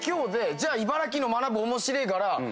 じゃあ茨城のまなぶ面白えから。